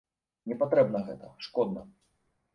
Не патрэбна гэта, шкодна.